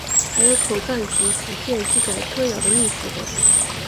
还有口传集十卷记载歌谣的历史等。